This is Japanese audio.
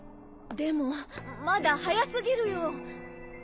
でもまだ早すぎるよ。